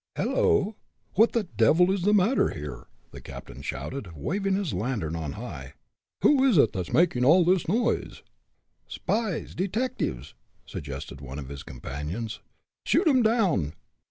"Helloo! what the devil is the matter here?" the captain shouted, waving his lantern on high. "Who is it that's making all this noise?" "Spies detectives!" suggested one of his companions. "Shoot 'em down!"